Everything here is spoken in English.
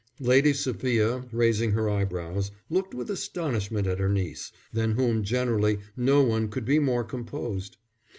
Lady Sophia, raising her eyebrows, looked with astonishment at her niece, than whom generally no one could be more composed.